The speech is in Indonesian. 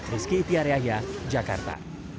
rizky itiariahya jakarta